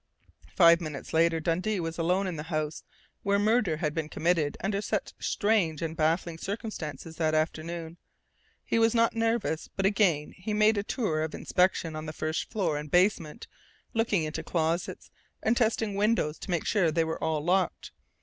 Five minutes later Dundee was alone in the house where murder had been committed under such strange and baffling circumstances that afternoon. He was not nervous, but again he made a tour of inspection of the first floor and basement, looking into closets, and testing windows to make sure they were all locked.